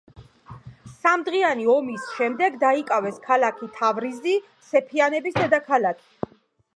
სამდღიანი ომის შემდეგ დაიკავეს ქალაქი თავრიზი, სეფიანების დედაქალაქი.